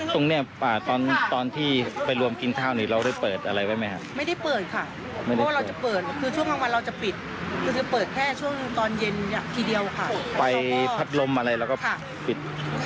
ไปพัดลมอะไรแล้วก็ปิดค่ะปิดไว้เพราะว่าตอนกลางวันเราจะไม่ให้ไฟเปิด